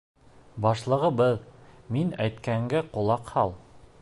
— Башлығыбыҙ, мин әйткәнгә ҡолаҡ һал!